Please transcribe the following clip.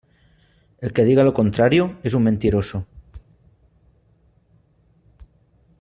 el que diga lo contrario es un mentiroso.